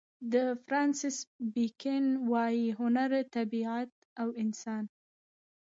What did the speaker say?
د فرانسیس بېکن وايي: هنر طبیعت او انسان.